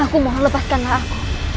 aku mohon lepaskanlah aku